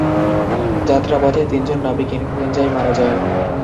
যাত্রাপথে তিনজন নাবিক ইনফ্লুয়েঞ্জায় মারা যায়।